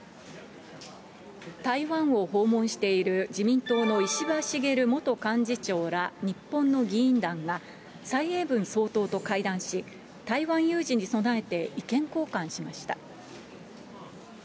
台湾を訪問している自民党の石破茂元幹事長ら日本の議員団が、蔡英文総統と会談し、台湾有事に備えて意見交換しました。